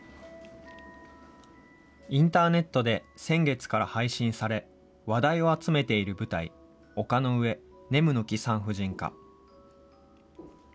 インターネットで先月から配信され、話題を集めている舞台、丘の上、ねむのき産婦人科。